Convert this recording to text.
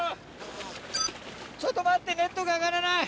ちょっと待ってネットが上がらない！